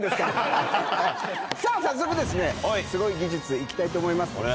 さぁ早速すごい技術行きたいと思います。